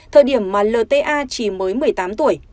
thời điểm mà lta chỉ mới một mươi tám tuổi